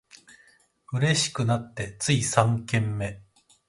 嬉しくなってつい三軒目